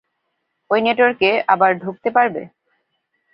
ঐ নেটওয়ার্কে আবার ঢুকতে পারবে?